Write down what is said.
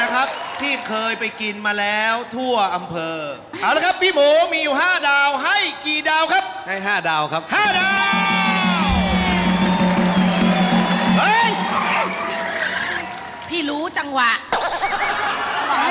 ให้เท่าไหร่ครับ